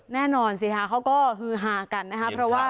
แน่นอนสิค่ะเขาก็ฮือฮากันนะคะเพราะว่า